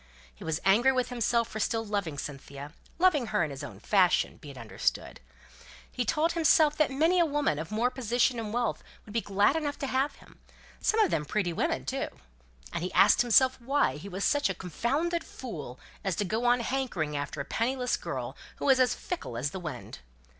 He was angry with himself for still loving Cynthia; loving her in his own fashion, be it understood. He told himself that many a woman of more position and wealth would be glad enough to have him; some of them pretty women too. And he asked himself why he was such a confounded fool as to go on hankering after a penniless girl, who was as fickle as the wind?